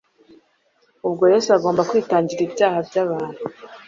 ubwo Yesu agomba kwitangira ibyaha by'abantu